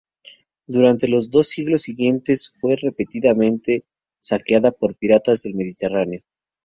Durante los dos siglos siguientes fue repetidamente saqueada por piratas del Mediterráneo.